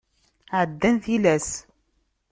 Ɛeddan tilas.